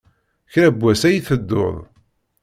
Kra n wass ad yi-tettuḍ.